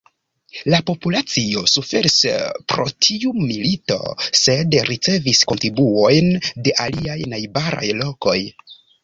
La populacio suferis pro tiu milito, sed ricevis kontribuojn de aliaj najbaraj lokoj.